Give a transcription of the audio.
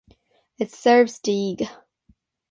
It serves Deeg.